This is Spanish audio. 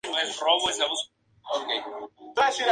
Según la tradición, está enterrado bajo la abadía.